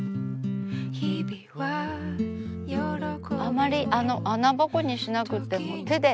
あまり穴ぼこにしなくても手で。